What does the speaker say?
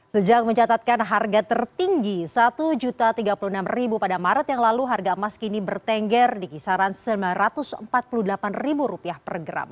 sejak mencatatkan harga tertinggi rp satu tiga puluh enam pada maret yang lalu harga emas kini bertengger di kisaran rp sembilan ratus empat puluh delapan per gram